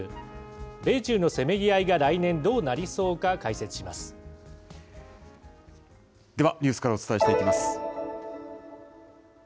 米中のせめぎあいが来年どうなりでは、ニュースからお伝えしていきます。